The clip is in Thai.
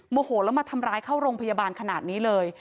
โหแล้วมาทำร้ายเข้าโรงพยาบาลขนาดนี้เลย